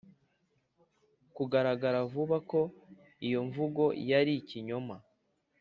Kugaragara vuba ko iyo mvugo yari ikinyoma